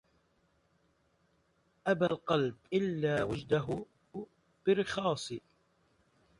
أبى القلب إلا وجده برخاص